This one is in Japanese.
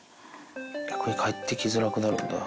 逆に帰ってきづらくなるんだ。